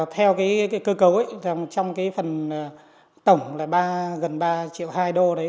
theo cái cơ cấu trong cái phần tổng là gần ba triệu hai đô đấy